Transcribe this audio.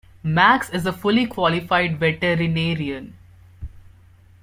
Max is a fully qualified veterinarian.